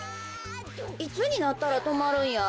いつになったらとまるんや？